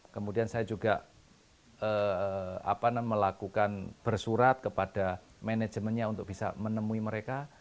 kemudian saya juga melakukan bersurat kepada manajemennya untuk bisa menemui mereka